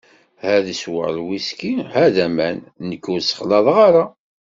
Ha ad sweɣ lwhisky, ha d aman, nekk ur ssexlaḍeɣ ara.